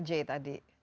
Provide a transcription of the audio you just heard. lima j tadi